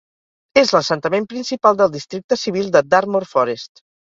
És l'assentament principal del districte civil de Dartmoor Forest.